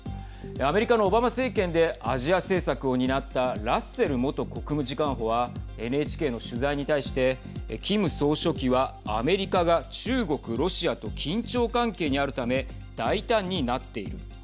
アメリカのオバマ政権でアジア政策を担ったラッセル元国務次官補はＮＨＫの取材に対してキム総書記はアメリカが中国ロシアと緊張関係にあるため大胆になっている。